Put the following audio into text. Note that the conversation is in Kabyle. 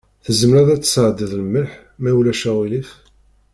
Tzemreḍ ad tesɛeddiḍ lmelḥ, ma ulac aɣilif?